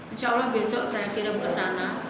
insya allah besok saya kirim kesana